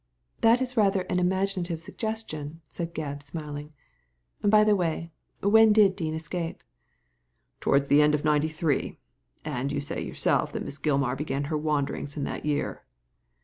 . "That is rather an imaginative suggestion," said Gebb, smiling. ''By the way, when did Dean escape ?"" Towards the end of '93 ; and you say yourself that Miss Gilmar began her wanderings in that year."